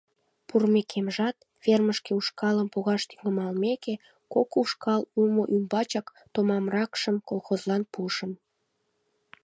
Пурымекемжат, фермышке ушкалым погаш тӱҥалмеке, кок ушкал улмо ӱмбачак томамракшым колхозлан пуышым.